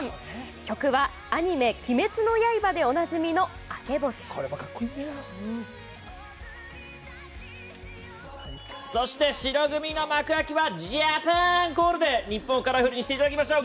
曲はアニメ「鬼滅の刃」でおなじみの「明け星」そして、白組の幕開けは「ジャパン」コールで日本をカラフルにしていただきましょう！